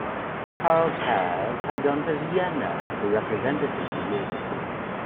Carl Pathe had gone to Vienna as a representative the year before.